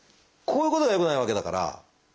こういうことがよくないわけだから。